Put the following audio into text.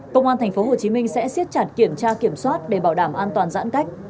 công an tp hcm sẽ siết chặt kiểm tra kiểm soát để bảo đảm an toàn giãn cách